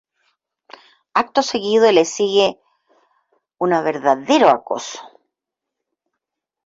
Acto seguido le sigue una verdadero acoso.